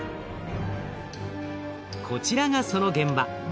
こちらがその現場。